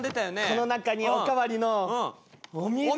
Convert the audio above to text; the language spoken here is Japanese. この中にお代わりのお水が。